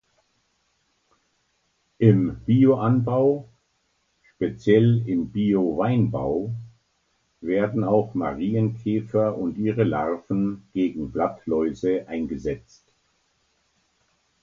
Im Bio-Anbau, speziell im Bio-Weinbau, werden auch Marienkäfer und ihre Larven gegen Blattläuse eingesetzt.